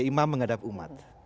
imam menghadap umat